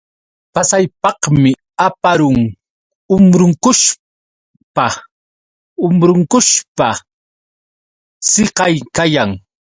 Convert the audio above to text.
Pasaypaqmi aparun umbrukushpa umbrukushpa siqaykayan.